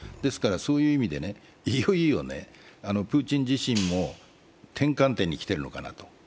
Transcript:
そういう意味で、いよいよプーチン自身も転換点に来てるのかなと。